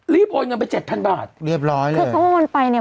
โอนเงินไปเจ็ดพันบาทเรียบร้อยเลยคือเขาโอนไปเนี่ย